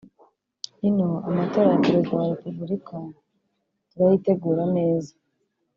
Ino amatora ya Perezida wa Republika turayitegura neza